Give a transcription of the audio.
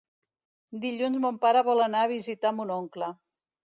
Dilluns mon pare vol anar a visitar mon oncle.